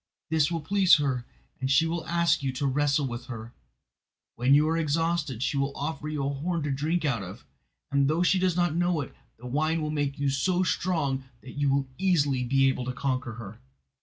This will please her, and she will ask you to wrestle with her. When you are exhausted, she will offer you a horn to drink out of, and though she does not know it, the wine will make you so strong that you will easily be able to conquer her.